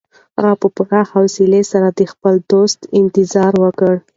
هغه په پوره حوصلي سره د خپل دوست انتظار وکړ.